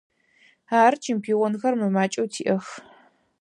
Ары, чемпионхэр мымакӏэу тиӏэх.